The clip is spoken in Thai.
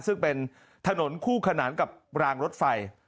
ซึ่งเป็นถนนคู่ขนานกับรางรถไฟ